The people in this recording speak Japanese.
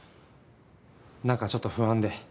何かちょっと不安で。